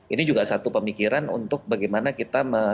ini juga satu pemikiran untuk bagaimana kita